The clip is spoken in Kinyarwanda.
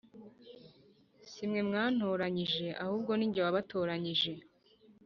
Si mwe mwantoranyije ahubwo ni njye wabatoranyije